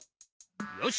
よし。